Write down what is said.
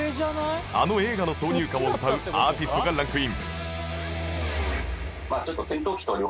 あの映画の挿入歌を歌うアーティストがランクイン